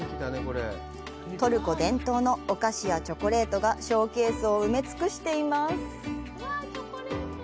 トルコ伝統のお菓子やチョコレートがショーケースを埋め尽くしています。